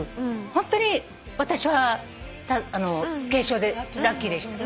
ホントに私は軽症でラッキーでした。